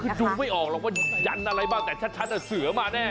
คือดูไม่ออกหรอกว่ายันอะไรบ้างแต่ชัดเสือมาแน่